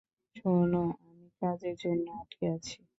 শোনো, আমি কাজের জন্য আটকে আছি।